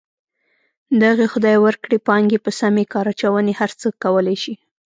دغې خدای ورکړې پانګې په سمې کار اچونې هر څه کولی شي.